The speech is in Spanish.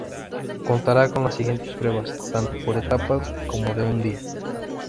Contará con las siguientes pruebas, tanto por etapas como de un día.